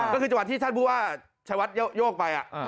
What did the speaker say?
ก็คือจังหวัดที่ท่านผู้ว่าชายวัดโยกไป